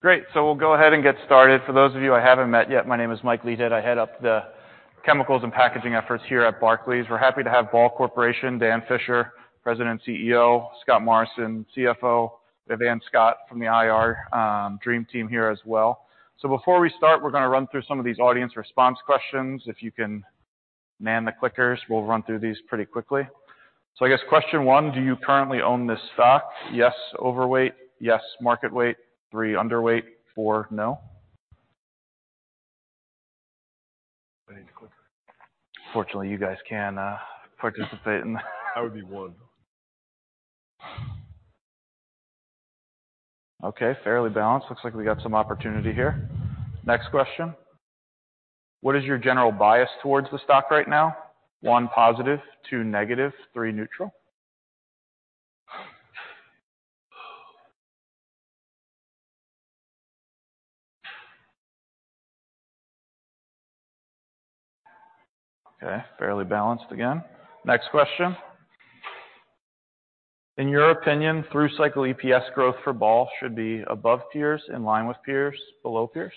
Great. We'll go ahead and get started. For those of you I haven't met yet, my name is Michael Leithead. I head up the chemicals and packaging efforts here at Barclays. We're happy to have Ball Corporation, Dan Fisher, President and CEO, Scott Morrison, CFO, Scott Vail from the IR dream team here as well. Before we start, we're gonna run through some of these audience response questions. If you can man the clickers, we'll run through these pretty quickly. I guess question one, do you currently own this stock? Yes, overweight; yes, market weight; three, underweight; four, no. I need a clicker. Fortunately, you guys can participate in that. That would be one. Okay, fairly balanced. Looks like we got some opportunity here. Next question. What is your general bias towards the stock right now? one, positive, two, negative, three, neutral. Okay, fairly balanced again. Next question. In your opinion, through cycle EPS growth for Ball should be above peers, in line with peers, below peers?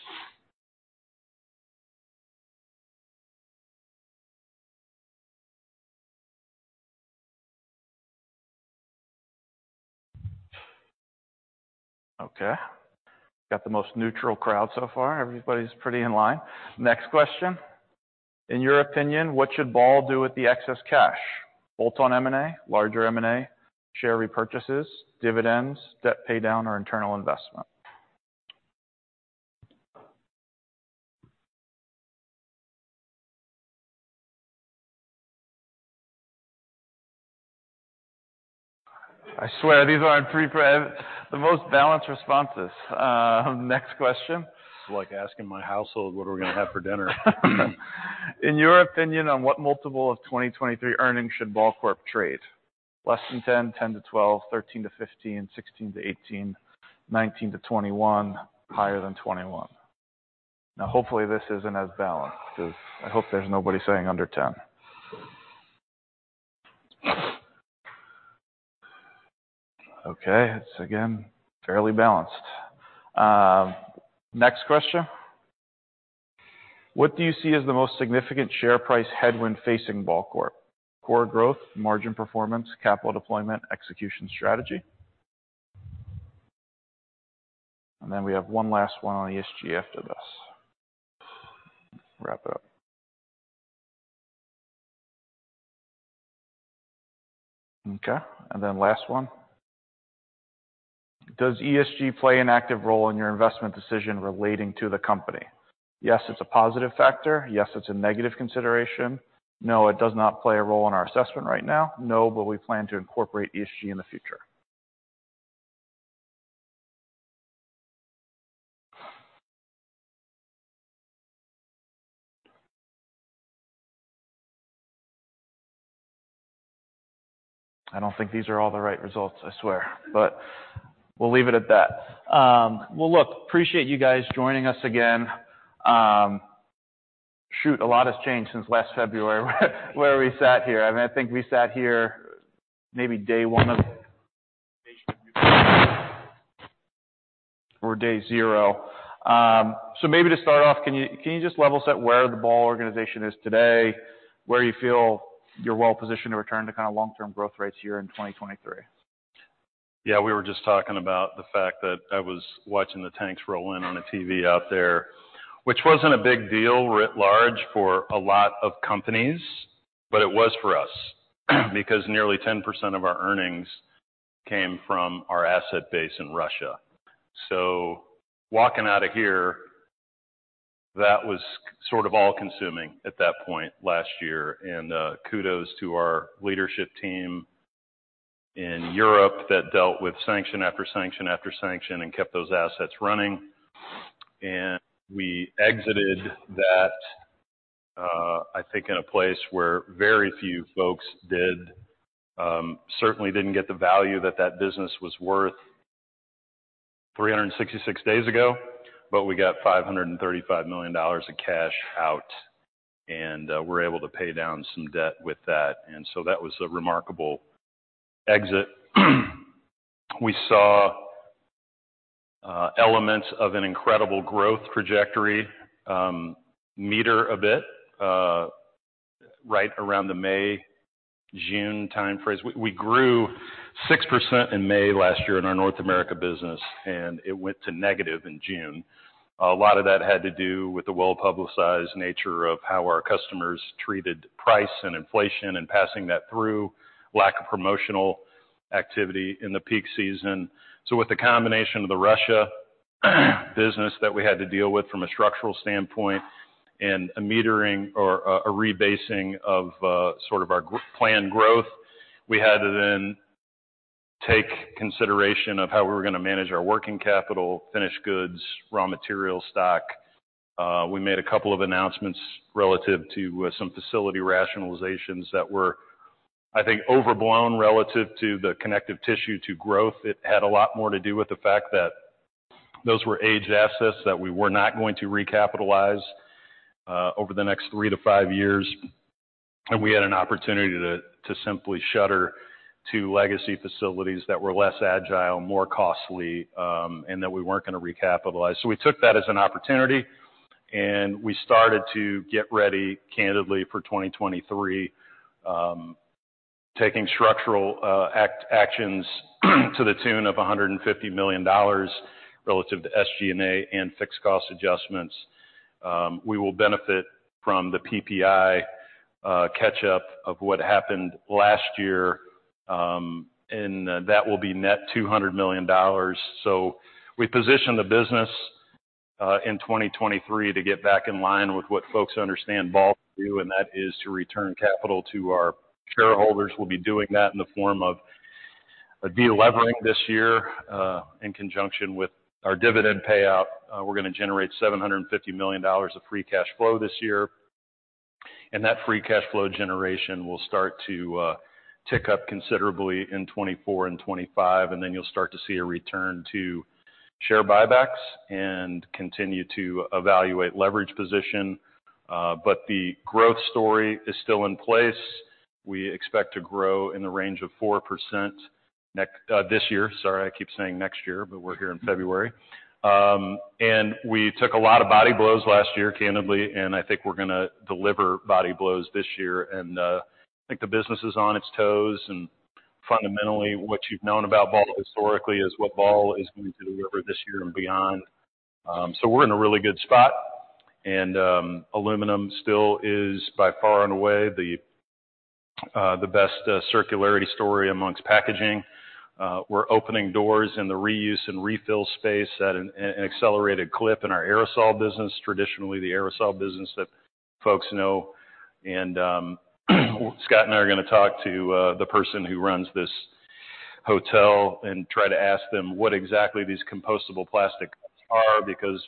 Okay. Got the most neutral crowd so far. Everybody's pretty in line. Next question. In your opinion, what should Ball do with the excess cash? Bolt on M&A, larger M&A, share repurchases, dividends, debt pay down, or internal investment. I swear these aren't pre-prepped. The most balanced responses. Next question. It's like asking my household what are we gonna have for dinner? In your opinion, on what multiple of 2023 earnings should Ball Corp trade? Less than 10-12, 13-15, 16-18, 19-21, higher than 21. Now, hopefully, this isn't as balanced because I hope there's nobody saying under 10. Okay. It's again, fairly balanced. Next question. What do you see as the most significant share price headwind facing Ball Corp? Core growth, margin performance, capital deployment, execution strategy. We have one last one on ESG after this. Wrap it up. Okay. Last one. Does ESG play an active role in your investment decision relating to the company? Yes, it's a positive factor. Yes, it's a negative consideration. No, it does not play a role in our assessment right now. No, but we plan to incorporate ESG in the future. I don't think these are all the right results, I swear. We'll leave it at that. well, look, appreciate you guys joining us again. shoot, a lot has changed since last February where we sat here. I mean, I think we sat here maybe day one of or day zero. Maybe to start off, can you just level set where the Ball organization is today, where you feel you're well-positioned to return to kinda long-term growth rates here in 2023? Yeah, we were just talking about the fact that I was watching the tanks roll in on a TV out there, which wasn't a big deal writ large for a lot of companies, but it was for us because nearly 10% of our earnings came from our asset base in Russia. Walking out of here, that was sort of all-consuming at that point last year. Kudos to our leadership team in Europe that dealt with sanction after sanction after sanction and kept those assets running. We exited that, I think in a place where very few folks did, certainly didn't get the value that that business was worth 366 days ago, but we got $535 million of cash out, and we're able to pay down some debt with that. That was a remarkable exit. We saw elements of an incredible growth trajectory, meter a bit, right around the May, June time frame. We grew 6% in May last year in our North America business, and it went to negative in June. A lot of that had to do with the well-publicized nature of how our customers treated price and inflation and passing that through lack of promotional activity in the peak season. With the combination of the Russia business that we had to deal with from a structural standpoint and a metering or a rebasing of sort of our planned growth, we had to then take consideration of how we were gonna manage our working capital, finished goods, raw material stock. We made a couple of announcements relative to some facility rationalizations that were, I think, overblown relative to the connective tissue to growth. It had a lot more to do with the fact that those were aged assets that we were not going to recapitalize over the next three to five years. We had an opportunity to simply shutter two legacy facilities that were less agile, more costly, and that we weren't gonna recapitalize. We took that as an opportunity, and we started to get ready candidly for 2023, taking structural actions to the tune of $150 million relative to SG&A and fixed cost adjustments. We will benefit from the PPI catch-up of what happened last year, and that will be net $200 million. We positioned the business, in 2023 to get back in line with what folks understand Ball to do, and that is to return capital to our shareholders. We'll be doing that in the form of a de-levering this year, in conjunction with our dividend payout. We're gonna generate $750 million of free cash flow this year. That free cash flow generation will start to tick up considerably in 2024 and 2025, you'll start to see a return to share buybacks and continue to evaluate leverage position. The growth story is still in place. We expect to grow in the range of 4% this year. Sorry, I keep saying next year, but we're here in February. We took a lot of body blows last year, candidly, and I think we're gonna deliver body blows this year. I think the business is on its toes, and fundamentally, what you've known about Ball historically is what Ball is going to deliver this year and beyond. We're in a really good spot, and aluminum still is by far and away the best circularity story amongst packaging. We're opening doors in the reuse and refill space at an accelerated clip in our aerosol business. Traditionally, the aerosol business that folks know. Scott and I are gonna talk to the person who runs this hotel and try to ask them what exactly these compostable plastics are, because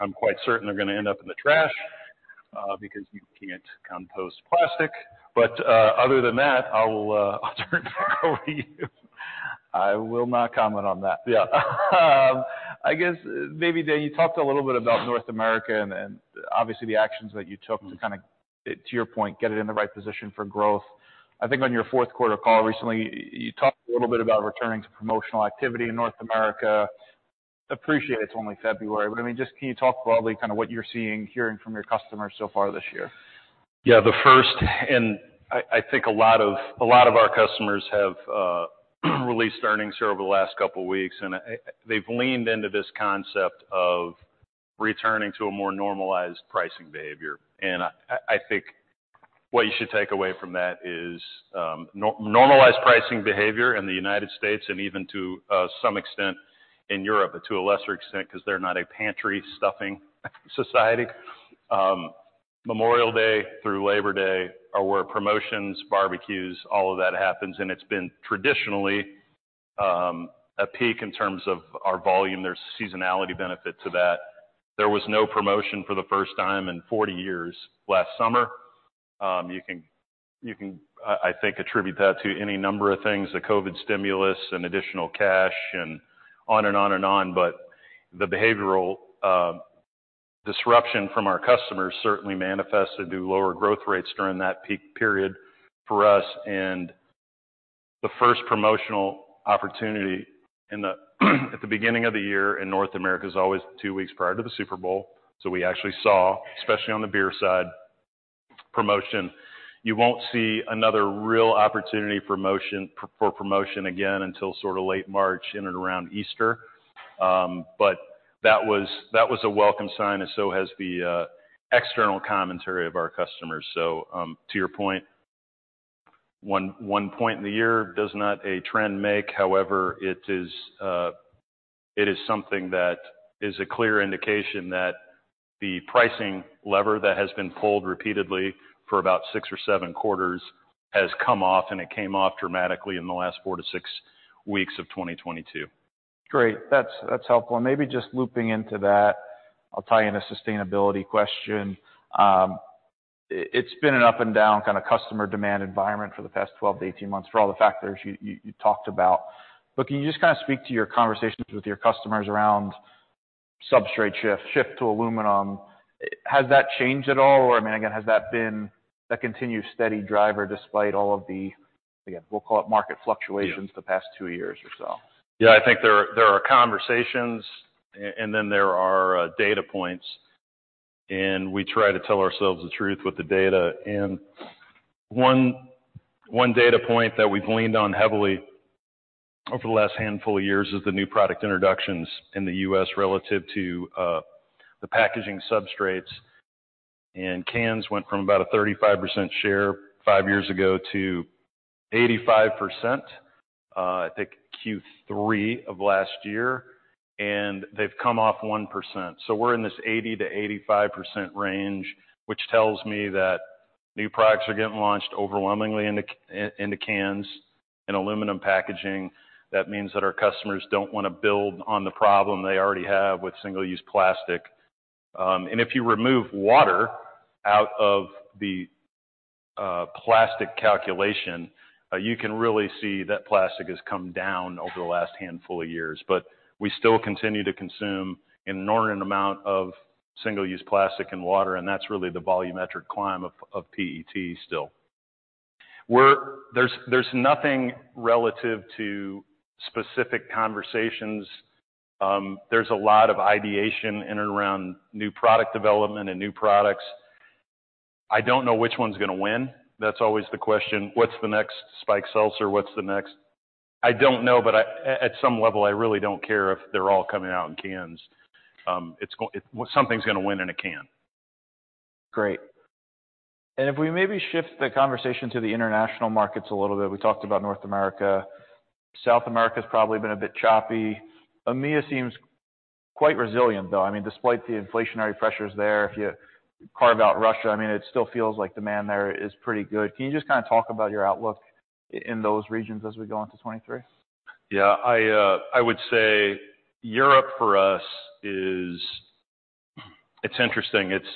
I'm quite certain they're gonna end up in the trash, because you can't compost plastic. Other than that, I'll turn it back over to you. I will not comment on that. Yeah. I guess maybe, Dan, you talked a little bit about North America and obviously the actions that you took to kind of, to your point, get it in the right position for growth. I think on your fourth quarter call recently, you talked a little bit about returning to promotional activity in North America. Appreciate it's only February, but I mean, just can you talk broadly kind of what you're seeing, hearing from your customers so far this year? The first, and I think a lot of our customers have released earnings here over the last couple weeks. They've leaned into this concept of returning to a more normalized pricing behavior. I think what you should take away from that is normalized pricing behavior in the United States and even to some extent in Europe, but to a lesser extent 'cause they're not a pantry stuffing society. Memorial Day through Labor Day are where promotions, barbecues, all of that happens, and it's been traditionally a peak in terms of our volume. There's seasonality benefit to that. There was no promotion for the first time in 40 years last summer. You can I think, attribute that to any number of things, the COVID stimulus and additional cash and on and on and on. The behavioral disruption from our customers certainly manifested through lower growth rates during that peak period for us. The first promotional opportunity at the beginning of the year in North America is always two weeks prior to the Super Bowl. We actually saw, especially on the beer side, promotion. You won't see another real opportunity for promotion again until sort of late March in and around Easter. But that was a welcome sign, and so has the external commentary of our customers. To your point, one point in the year does not a trend make. However, it is, it is something that is a clear indication that the pricing lever that has been pulled repeatedly for about six or seven quarters has come off, and it came off dramatically in the last four to six weeks of 2022. Great. That's, that's helpful. Maybe just looping into that, I'll tie in a sustainability question. It's been an up and down kind of customer demand environment for the past 12 to 18 months for all the factors you talked about. Can you just kind of speak to your conversations with your customers around substrate shift to aluminum? Has that changed at all? I mean, again, has that been a continuous steady driver despite all of the, again, we'll call it market fluctuations? Yeah... the past two years or so? Yeah. I think there are, there are conversations and then there are data points, we try to tell ourselves the truth with the data. One, one data point that we've leaned on heavily over the last handful of years is the new product introductions in the U.S. relative to the packaging substrates. Cans went from about a 35% share five years ago to 85%, I think Q3 of last year, and they've come off 1%. We're in this 80%-85% range, which tells me that new products are getting launched overwhelmingly into cans and aluminum packaging. That means that our customers don't wanna build on the problem they already have with single-use plastic. If you remove water out of the plastic calculation, you can really see that plastic has come down over the last handful of years. We still continue to consume an inordinate amount of single-use plastic and water, and that's really the volumetric climb of PET still. There's nothing relative to specific conversations. There's a lot of ideation in and around new product development and new products. I don't know which one's gonna win. That's always the question. What's the next spiked seltzer? What's the next... I don't know, but at some level, I really don't care if they're all coming out in cans. Something's gonna win in a can. Great. If we maybe shift the conversation to the international markets a little bit. We talked about North America. South America has probably been a bit choppy. EMEA seems quite resilient, though. I mean, despite the inflationary pressures there, if you carve out Russia, I mean, it still feels like demand there is pretty good. Can you just kind of talk about your outlook in those regions as we go into 2023? Yeah. I would say Europe for us is... It's interesting. It's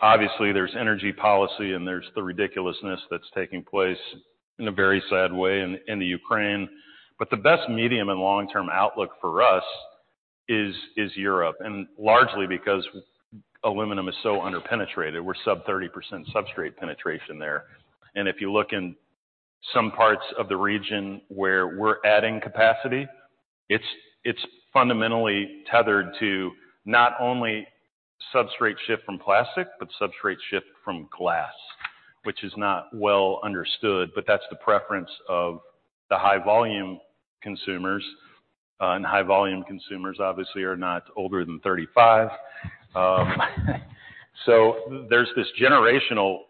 obviously there's energy policy, and there's the ridiculousness that's taking place in a very sad way in the Ukraine. The best medium and long-term outlook for us is Europe, and largely because aluminum is so under-penetrated. We're sub 30% substrate penetration there. If you look in some parts of the region where we're adding capacity, it's fundamentally tethered to not only substrate shift from plastic, but substrate shift from glass, which is not well understood, but that's the preference of the high volume consumers. High volume consumers obviously are not older than 35. There's this generational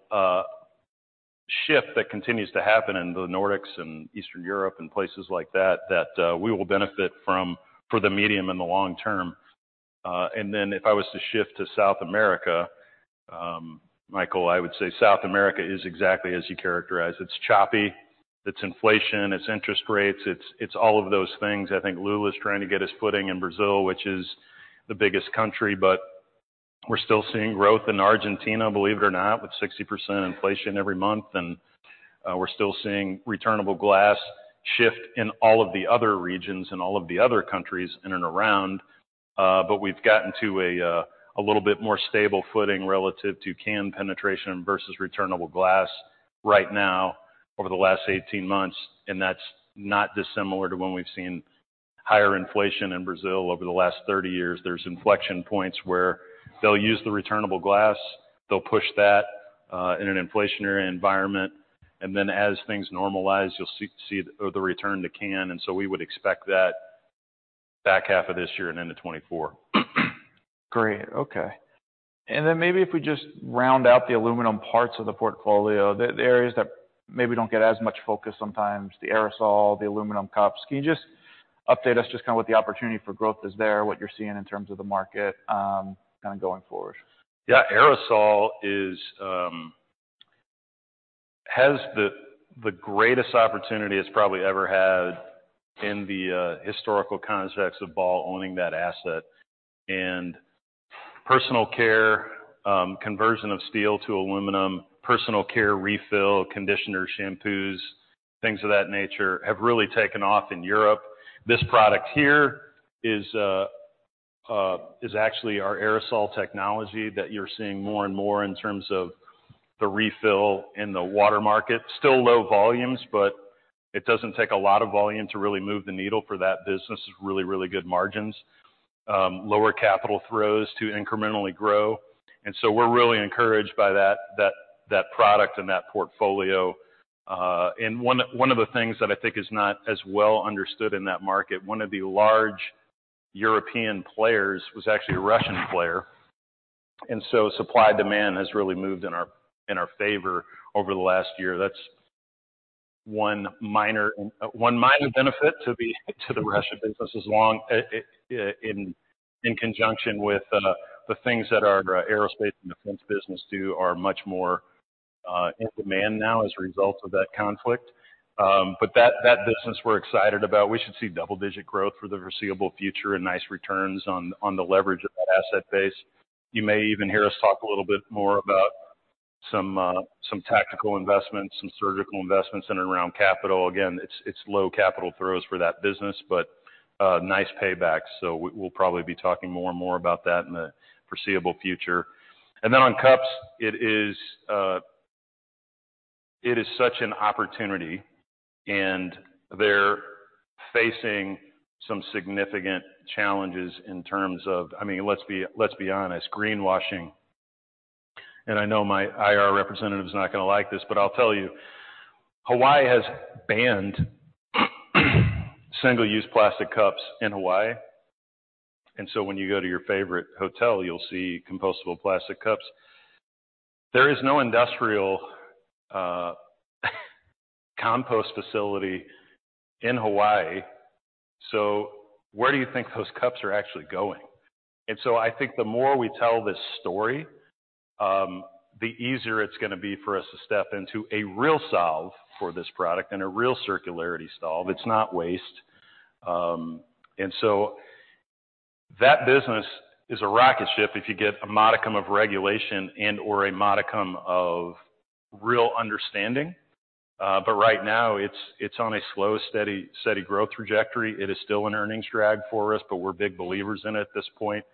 shift that continues to happen in the Nordics and Eastern Europe and places like that we will benefit from for the medium and the long term. If I was to shift to South America, Michael, I would say South America is exactly as you characterize. It's choppy, it's inflation, it's interest rates, it's all of those things. I think Lula's trying to get his footing in Brazil, which is the biggest country, but we're still seeing growth in Argentina, believe it or not, with 60% inflation every month. We're still seeing returnable glass shift in all of the other regions and all of the other countries in and around. We've gotten to a little bit more stable footing relative to can penetration versus returnable glass right now over the last 18 months, and that's not dissimilar to when we've seen higher inflation in Brazil over the last 30 years. There's inflection points where they'll use the returnable glass, they'll push that in an inflationary environment, and then as things normalize, you'll see the return to can. We would expect that back half of this year and into 2024. Great. Okay. Maybe if we just round out the aluminum parts of the portfolio, the areas that maybe don't get as much focus sometimes, the aerosol, the aluminum cups. Can you just update us just kind of what the opportunity for growth is there, what you're seeing in terms of the market, kind of going forward? Yeah. Aerosol is, has the greatest opportunity it's probably ever had in the historical context of Ball owning that asset. Personal care, conversion of steel to aluminum, personal care refill, conditioner, shampoos, things of that nature have really taken off in Europe. This product here is actually our aerosol technology that you're seeing more and more in terms of the refill in the water market. Still low volumes, but it doesn't take a lot of volume to really move the needle for that business. It's really good margins. Lower capital throws to incrementally grow. We're really encouraged by that product and that portfolio. One of the things that I think is not as well understood in that market, one of the large European players was actually a Russian player, so supply-demand has really moved in our, in our favor over the last year. That's one minor benefit to the Russian business as long in conjunction with the things that our aerospace and defense business do are much more in demand now as a result of that conflict. That business we're excited about. We should see double-digit growth for the foreseeable future and nice returns on the leverage of that asset base. You may even hear us talk a little bit more about some tactical investments, some surgical investments in and around capital. Again, it's low capital throws for that business, but nice payback. We'll probably be talking more and more about that in the foreseeable future. On cups, it is such an opportunity, and they're facing some significant challenges in terms of... I mean, let's be honest, greenwashing. I know my IR representative is not gonna like this, but I'll tell you, Hawaii has banned single-use plastic cups in Hawaii. When you go to your favorite hotel, you'll see compostable plastic cups. There is no industrial compost facility in Hawaii, so where do you think those cups are actually going? I think the more we tell this story, the easier it's gonna be for us to step into a real solve for this product and a real circularity solve. It's not waste. That business is a rocket ship if you get a modicum of regulation and/or a modicum of real understanding. Right now it's on a slow, steady growth trajectory. It is still an earnings drag for us, but we're big believers in it at this point.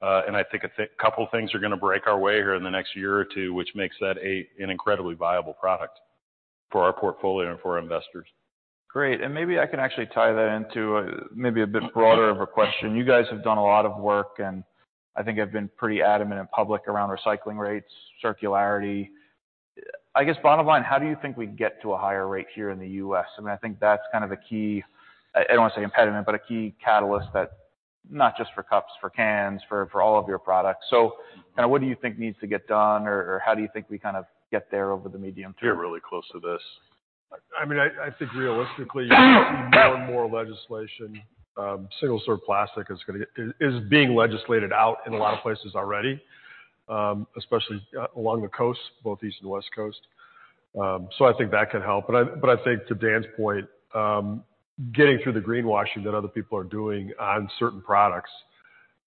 I think a couple things are gonna break our way here in the next year or two, which makes that an incredibly viable product for our portfolio and for our investors. Great. Maybe I can actually tie that into a, maybe a bit broader of a question. You guys have done a lot of work, and I think have been pretty adamant in public around recycling rates, circularity. I guess, bottom line, how do you think we can get to a higher rate here in the U.S.? I mean, I think that's kind of a key, I don't want to say impediment, but a key catalyst that not just for cups, for cans, for all of your products. Kind of what do you think needs to get done or how do you think we kind of get there over the medium term? Get really close to this. I mean, I think realistically, you're gonna see more and more legislation, single serve plastic is being legislated out in a lot of places already, especially along the coast, both East and West Coast. I think that can help. I think to Dan's point, getting through the greenwashing that other people are doing on certain products,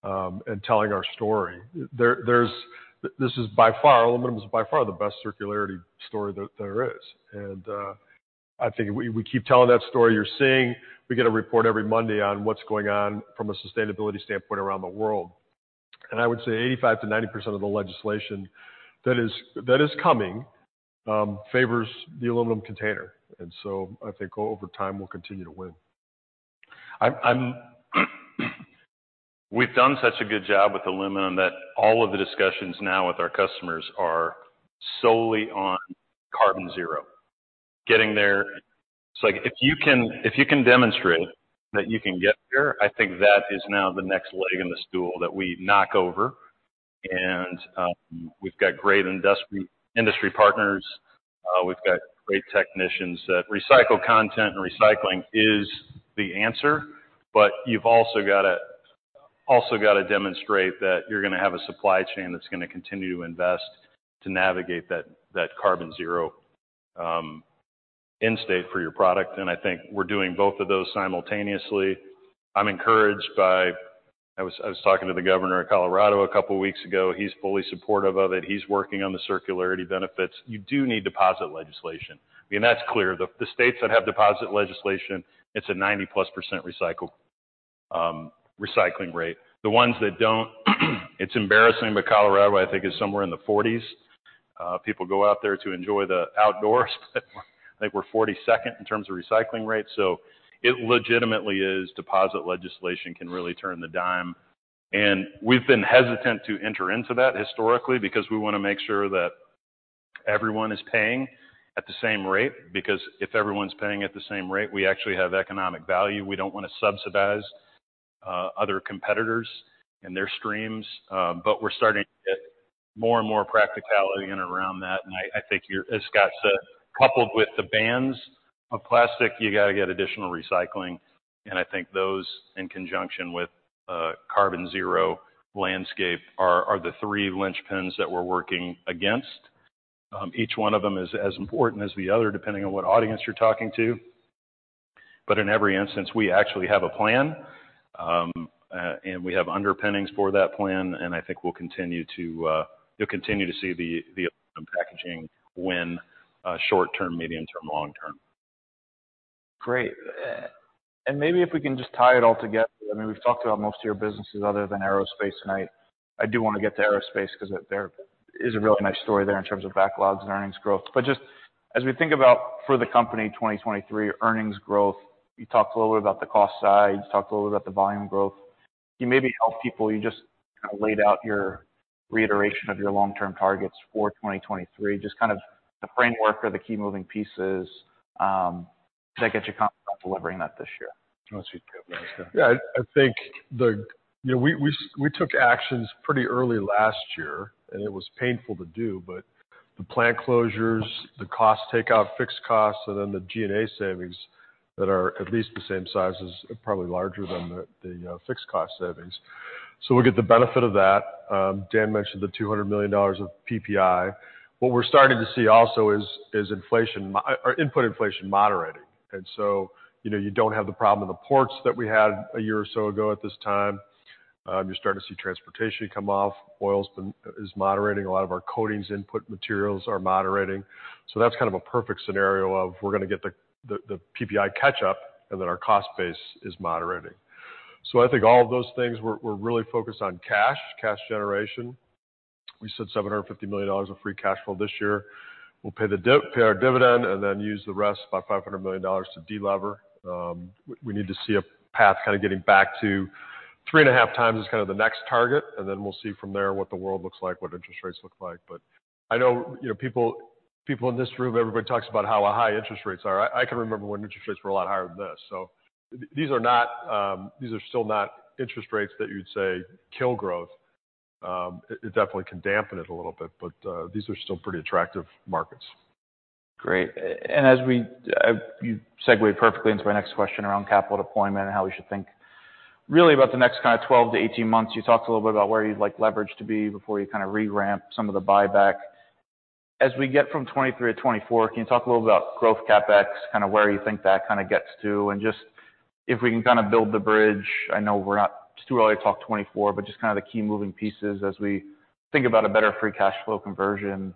and telling our story. This is by far, aluminum is by far the best circularity story that there is. I think we keep telling that story. You're seeing we get a report every Monday on what's going on from a sustainability standpoint around the world. I would say 85%-90% of the legislation that is coming favors the aluminum container. I think over time, we'll continue to win. We've done such a good job with aluminum that all of the discussions now with our customers are solely on carbon zero. Getting there, it's like if you can, if you can demonstrate that you can get there, I think that is now the next leg in the stool that we knock over. We've got great industry partners. We've got great technicians that recycle content and recycling is the answer. You've also gotta demonstrate that you're gonna have a supply chain that's gonna continue to invest to navigate that carbon zero end state for your product. I think we're doing both of those simultaneously. I'm encouraged by. I was talking to the governor of Colorado a couple of weeks ago. He's fully supportive of it. He's working on the circularity benefits. You do need deposit legislation. I mean, that's clear. The states that have deposit legislation, it's a 90-plus % recycling rate. The ones that don't, it's embarrassing, but Colorado, I think, is somewhere in the forties. People go out there to enjoy the outdoors, but I think we're 42nd in terms of recycling rates. It legitimately is deposit legislation can really turn the dime. We've been hesitant to enter into that historically because we wanna make sure that everyone is paying at the same rate. Because if everyone's paying at the same rate, we actually have economic value. We don't wanna subsidize other competitors and their streams. We're starting to get more and more practicality in and around that. As Scott said, coupled with the bans of plastic, you gotta get additional recycling. I think those in conjunction with a carbon zero landscape are the three linchpins that we're working against. Each one of them is as important as the other, depending on what audience you're talking to. In every instance, we actually have a plan, and we have underpinnings for that plan, and I think we'll continue to, you'll continue to see the packaging win, short-term, medium-term, long-term. Great. Maybe if we can just tie it all together. I mean, we've talked about most of your businesses other than aerospace tonight. I do wanna get to aerospace 'cause there is a really nice story there in terms of backlogs and earnings growth. Just as we think about for the company 2023 earnings growth, you talked a little bit about the cost side, you talked a little bit about the volume growth. Can you maybe help people? You just kind of laid out your reiteration of your long-term targets for 2023, just kind of the framework or the key moving pieces that get you confident about delivering that this year. I'll speak to that. Yeah, I think the. You know, we took actions pretty early last year, and it was painful to do, but the plant closures, the cost takeout, fixed costs, and then the G&A savings that are at least the same size as, probably larger than the fixed cost savings. We'll get the benefit of that. Dan mentioned the $200 million of PPI. What we're starting to see also is inflation or input inflation moderating. You know, you don't have the problem with the ports that we had a year or so ago at this time. You're starting to see transportation come off. Oil's moderating. A lot of our coatings input materials are moderating. That's kind of a perfect scenario of we're gonna get the PPI catch up and then our cost base is moderating. I think all of those things, we're really focused on cash generation. We said $750 million of free cash flow this year. We'll pay our dividend and then use the rest, about $500 million to delever. We need to see a path kinda getting back to 3.5 times is kinda the next target, and then we'll see from there what the world looks like, what interest rates look like. I know, you know, people in this room, everybody talks about how high interest rates are. I can remember when interest rates were a lot higher than this. These are not, these are still not interest rates that you'd say kill growth. It definitely can dampen it a little bit, but these are still pretty attractive markets. Great. As you segued perfectly into my next question around capital deployment and how we should think really about the next kind of 12-18 months. You talked a little bit about where you'd like leverage to be before you kind of re-ramp some of the buyback. As we get from 2023 to 2024, can you talk a little about growth CapEx, kind of where you think that kind of gets to? Just if we can kind of build the bridge. I know it's too early to talk 2024, but just kind of the key moving pieces as we think about a better free cash flow conversion.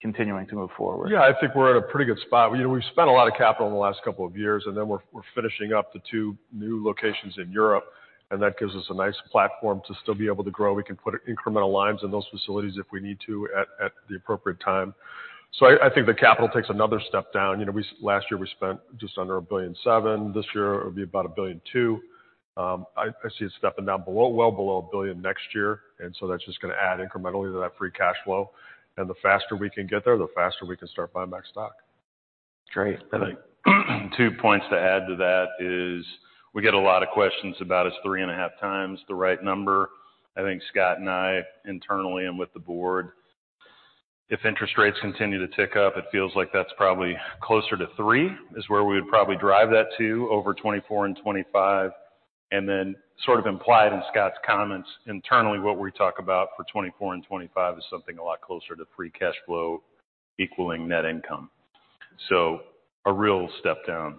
Continuing to move forward. Yeah, I think we're at a pretty good spot. You know, we've spent a lot of capital in the last couple of years, and then we're finishing up the two new locations in Europe, and that gives us a nice platform to still be able to grow. We can put incremental lines in those facilities if we need to at the appropriate time. I think the capital takes another step down. You know, last year we spent just under $1.7 billion. This year it'll be about $1.2 billion. I see it stepping down below, well below $1 billion next year. That's just gonna add incrementally to that free cash flow. The faster we can get there, the faster we can start buying back stock. Great. Two points to add to that is we get a lot of questions about is 3.5 times the right number. I think Scott and I internally and with the board, if interest rates continue to tick up, it feels like that's probably closer to three, is where we would probably drive that to over 2024 and 2025. Sort of implied in Scott's comments, internally, what we talk about for 2024 and 2025 is something a lot closer to free cash flow equaling net income. A real step down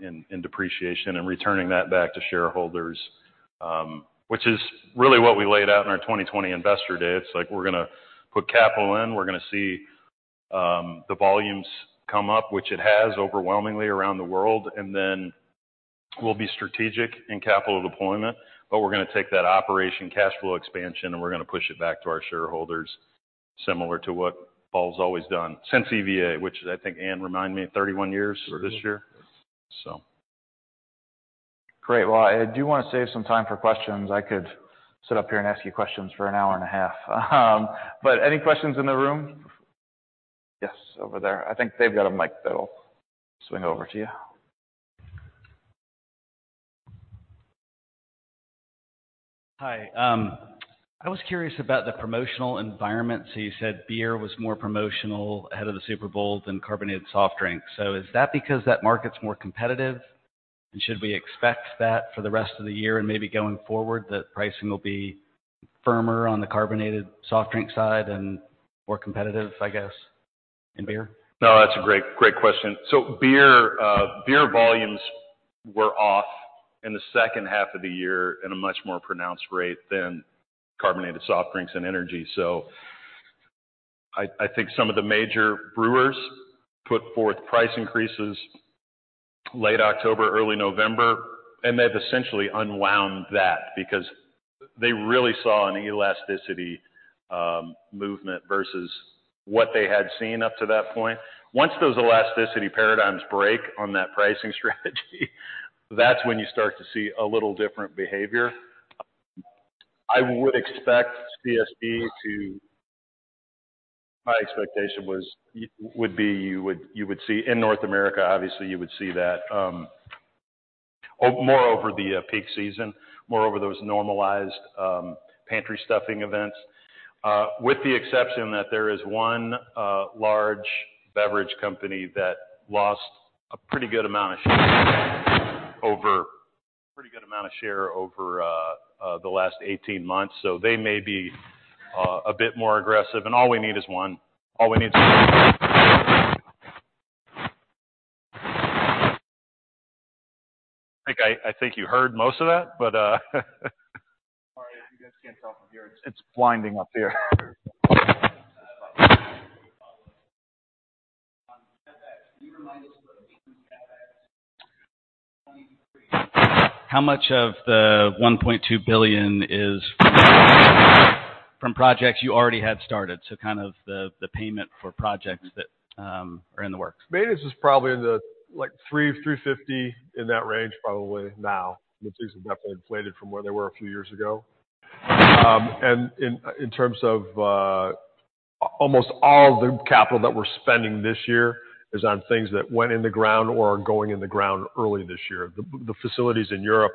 in depreciation and returning that back to shareholders, which is really what we laid out in our 2020 investor day. It's like we're gonna put capital in, we're gonna see, the volumes come up, which it has overwhelmingly around the world, and then we'll be strategic in capital deployment. We're gonna take that operation cash flow expansion, and we're gonna push it back to our shareholders, similar to what Paul's always done since EVA, which I think Ann remind me, 31 years this year. Great. Well, I do wanna save some time for questions. I could sit up here and ask you questions for an hour and a half. Any questions in the room? Yes, over there. I think they've got a mic that'll swing over to you. Hi. I was curious about the promotional environment. You said beer was more promotional ahead of the Super Bowl than carbonated soft drinks. Is that because that market's more competitive? Should we expect that for the rest of the year and maybe going forward, that pricing will be firmer on the carbonated soft drink side and more competitive, I guess, in beer? No, that's a great question. Beer volumes were off in the second half of the year at a much more pronounced rate than carbonated soft drinks and energy. I think some of the major brewers put forth price increases late October, early November, and they've essentially unwound that because they really saw an elasticity movement versus what they had seen up to that point. Once those elasticity paradigms break on that pricing strategy, that's when you start to see a little different behavior. I would expect CSB. My expectation would be you would see in North America, obviously, you would see that over more over the peak season, more over those normalized pantry stuffing events. With the exception that there is one large beverage company that lost a pretty good amount of share over the last 18 months. They may be a bit more aggressive. All we need is one. All we need is I think you heard most of that. Sorry, if you guys can't tell from here, it's blinding up here. On CapEx, can you remind us what it means CapEx 2023? How much of the $1.2 billion is from projects you already had started? Kind of the payment for projects that are in the works. Maintenance is probably in the, like, $3-$3.50, in that range probably now. The fees have definitely inflated from where they were a few years ago. In terms of, almost all the capital that we're spending this year is on things that went in the ground or are going in the ground early this year. The facilities in Europe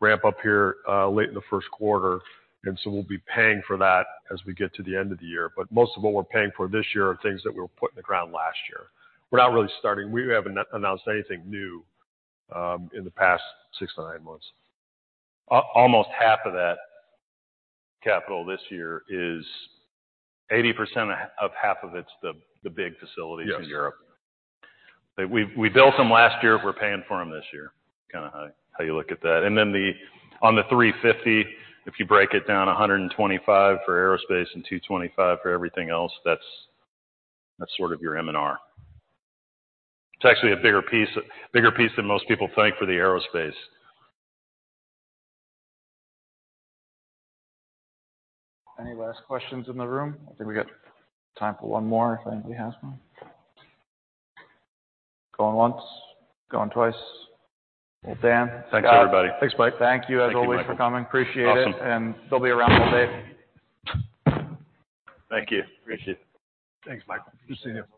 ramp up here, late in the first quarter, so we'll be paying for that as we get to the end of the year. Most of what we're paying for this year are things that were put in the ground last year. We haven't announced anything new in the past six to nine months. Almost half of that capital this year is 80% of half of it's the big facilities in Europe. Yes. We built them last year, we're paying for them this year. Kinda how you look at that. On the 350, if you break it down, 125 for aerospace and 225 for everything else, that's sort of your M&R. It's actually a bigger piece than most people think for the aerospace. Any last questions in the room? I think we got time for one more if anybody has one. Going once, going twice. Well, Dan. Thanks, everybody. Thanks, Mike. Thank you as always for coming. Appreciate it. Awesome. They'll be around all day. Thank you. Appreciate it. Thanks, Mike. Good seeing you.